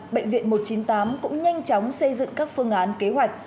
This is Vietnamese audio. bệnh viện một trăm chín mươi tám cũng nhanh chóng xây dựng các phương án kế hoạch